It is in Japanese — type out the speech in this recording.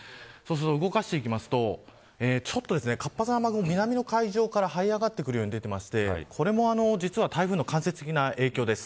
動かしていきますと活発な雨雲が南の海上からはい上がってくるように出ていてこれも台風の間接的な影響です。